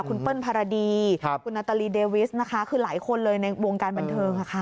คุณเปิ้ลภารดีคุณนาตาลีเดวิสนะคะคือหลายคนเลยในวงการบันเทิงค่ะ